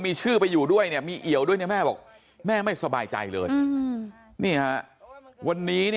มีชื่อไปอยู่ด้วยมีเหี่ยวด้วยแม่บอกแม่ไม่สบายใจเลยนี่วันนี้